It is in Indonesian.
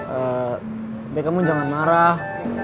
eh deh kamu jangan marah